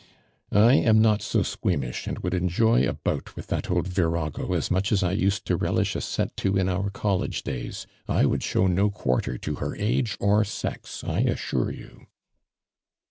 •' I am not so s(iuoami.'<h, and woulil enjoy a bout with that old virago as mucli as I used to relish a set to in oiu college days, f would show no quarter to her ago or sex, 1 assure you